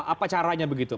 apa caranya begitu